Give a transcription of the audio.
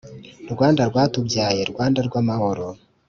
rwanda rwatubyaye, rwanda rw’amahoro